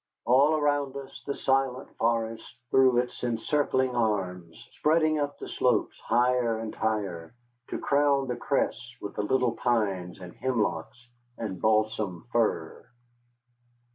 All around us the silent forest threw its encircling arms, spreading up the slopes, higher and higher, to crown the crests with the little pines and hemlocks and balsam fir.